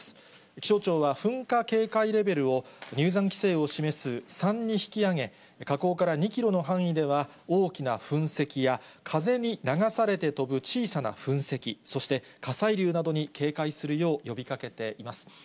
気象庁は噴火警戒レベルを入山規制を示す３に引き上げ、火口から２キロの範囲では、大きな噴石や風に流されて飛ぶ小さな噴石、そして火砕流などに警戒するよう呼びかけています。